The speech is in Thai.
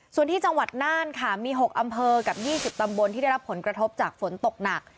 ส่วนที่จังหวัดน่านค่ะมี๖อำเภอกับ๒๐ตำบลที่ได้รับผลกระทบจากฝนตกหนัก